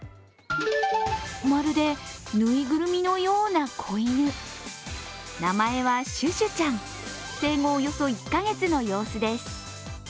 まるで、ぬいぐるみのような子犬名前はシュシュちゃん、生後およそ１カ月の様子です。